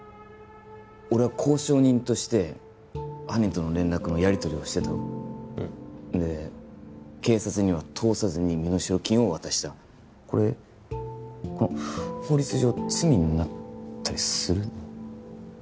俺は交渉人として犯人との連絡のやりとりをしてたろうんで警察には通さずに身代金を渡したこれ法律上罪になったりするの？